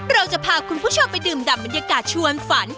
เราจะพาคุณผู้ชมไปดื่มดำบรรยากาศชวนฝัน